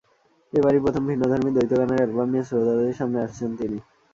এবারই প্রথম ভিন্নধর্মী দ্বৈত গানের অ্যালবাম নিয়ে শ্রোতাদের সামনে আসছেন তিনি।